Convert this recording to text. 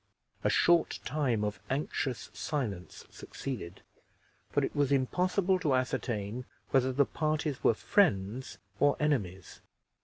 A short time of anxious silence succeeded, for it was impossible to ascertain whether the parties were friends or enemies.